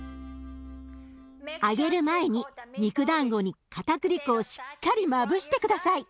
揚げる前に肉だんごにかたくり粉をしっかりまぶして下さい。